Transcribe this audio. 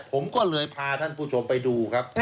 ผมก็เลยพาท่านผู้ชมไปดูครับ